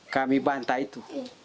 kami bantai itu